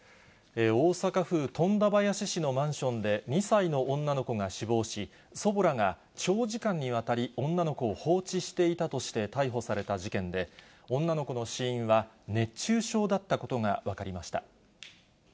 大阪府富田林市のマンションで、２歳の女の子が死亡し、祖母らが長時間にわたり女の子を放置していたとして逮捕された事件で、女の子の死因は、熱中症だったことが分かりました。